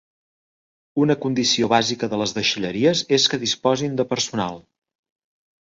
Una condició bàsica de les deixalleries és que disposin de personal.